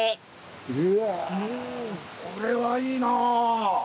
うわこれはいいなぁ！